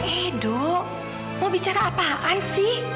edo mau bicara apaan sih